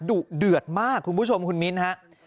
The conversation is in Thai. ดุเดือดมากคุณผู้ชมคุณมิ้นฮะ